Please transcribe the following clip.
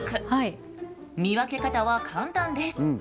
見分け方は簡単です。